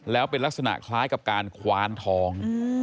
แล้วเป็นลักษณะคล้ายกับการคว้านท้อง